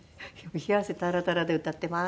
冷や汗タラタラで歌っています。